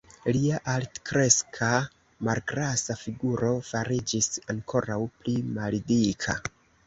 Lia altkreska, malgrasa figuro fariĝis ankoraŭ pli maldika.